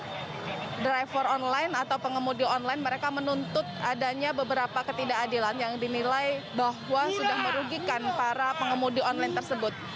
pada saat ini pengemudi online menuntut adanya beberapa ketidakadilan yang dinilai bahwa sudah merugikan para pengemudi online tersebut